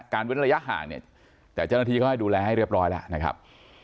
เว้นระยะห่างเนี่ยแต่เจ้าหน้าที่เขาให้ดูแลให้เรียบร้อยแล้วนะครับ